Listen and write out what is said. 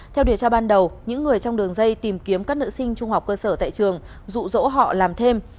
theo điều tra ban đầu những người trong đường dây tìm kiếm các nữ sinh trung học cơ sở tại trường dụ dỗ họ làm thêm